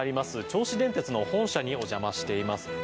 銚子電鉄の本社にお邪魔しています。